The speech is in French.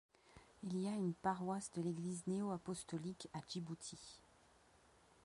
Il y a une paroisse de l'Église néo-apostolique à Djibouti.